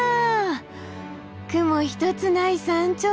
雲一つない山頂だ！